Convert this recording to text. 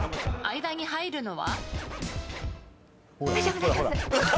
間に入るのは？